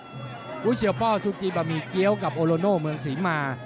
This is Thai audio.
วิเชียวป้อซูกิบะหมี่เกี้ยวกับโอโลโน่เมืองศรีมา